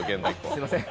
すみません。